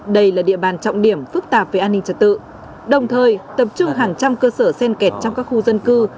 đây là địa bàn trọng điểm phức tạp về an ninh trật tự đồng thời tập trung hàng trăm cơ sở sen kẹt trong các khu dân cư